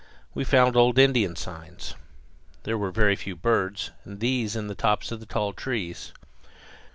We found old Indian signs. There were very few birds, and these in the tops of the tall trees.